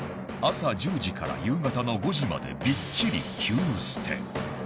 朝１０時から夕方の５時までびっちり９ステ。